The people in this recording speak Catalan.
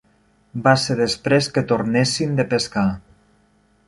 Va ser després que tornessin de pescar.